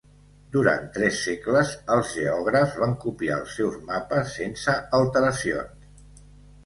Durant tres segles els geògrafs van copiar els seus mapes sense alteracions.